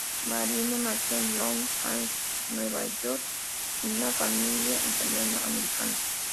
Marino nació en Long Island, New York, en una familia italo-americana.